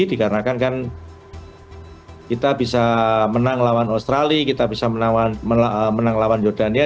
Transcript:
dikarenakan kan kita bisa menang lawan australia kita bisa menang lawan jordania